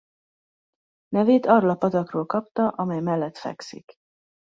Nevét arról a patakról kapta amely mellett fekszik.